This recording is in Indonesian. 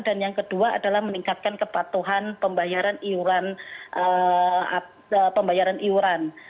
dan yang kedua adalah meningkatkan kepatuhan pembayaran iuran